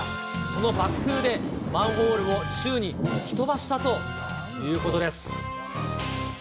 その爆風で、マンホールを宙に吹き飛ばしたということです。